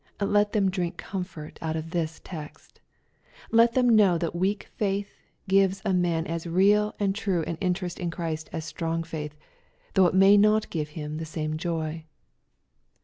Let them drink comfort out of this text. Let them know that weak faith gives a man as real and true an interest in Christ as strong faith, though it may not give him the same joy.